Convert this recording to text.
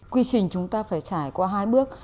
quy trình chúng ta phải trải qua hai bước